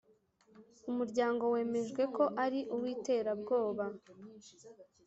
umuryango wemejwe ko ari uw’iterabwoba